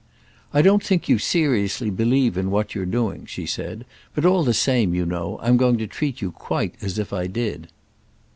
"I don't think you seriously believe in what you're doing," she said; "but all the same, you know, I'm going to treat you quite as if I did."